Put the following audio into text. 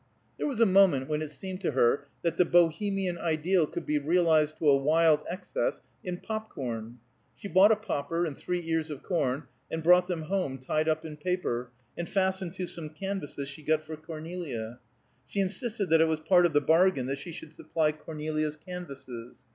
There was a moment when it seemed to her that the Bohemian ideal could be realized to a wild excess in pop corn. She bought a popper and three ears of corn, and brought them home tied up in paper, and fastened to some canvases she got for Cornelia. She insisted that it was part of the bargain that she should supply Cornelia's canvases.